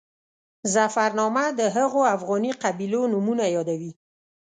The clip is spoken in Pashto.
ظفرنامه د هغو افغاني قبیلو نومونه یادوي.